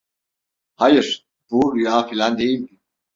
Hayır, bu rüya filan değildi.